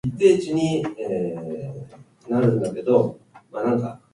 花がばらばらに散ること。転じて、物が乱雑に散らばっていること。